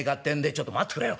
「ちょっと待っつくれよ。